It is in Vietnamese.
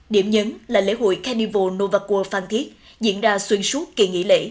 điểm nhấn là lễ hội carnival novakur phanthiết diễn ra xuyên suốt kỳ nghỉ lễ